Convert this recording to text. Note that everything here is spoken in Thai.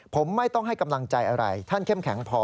ผมไม่ต้องให้กำลังใจอะไรท่านเข้มแข็งพอ